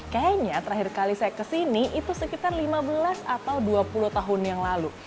kayaknya terakhir kali saya kesini itu sekitar lima belas atau dua puluh tahun yang lalu